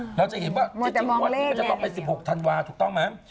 เพราะแต่มองแลทแและอย่างนี้หวังว่ากันจะต้องเป็น๑๖ธันวาถูกต้องไหม